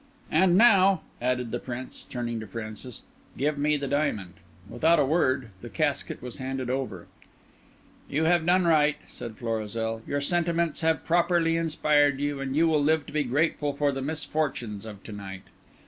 "And now," added the Prince, turning to Francis, "give me the diamond." Without a word the casket was handed over. "You have done right," said Florizel, "your sentiments have properly inspired you, and you will live to be grateful for the misfortunes of to night.